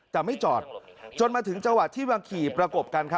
แต่ไม่จอดจนมาถึงจังหวะที่มาขี่ประกบกัน